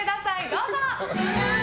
どうぞ！